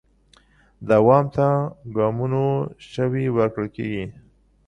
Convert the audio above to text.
دوام ته ګامونو شوي ورکړل کې